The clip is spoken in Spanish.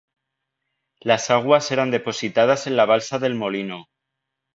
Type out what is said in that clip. Las aguas eran depositadas en la Balsa del Molino.